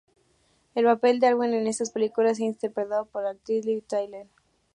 El papel de Arwen en estas películas es interpretado por la actriz Liv Tyler.